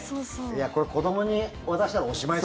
これ、子どもに渡したらおしまいだ。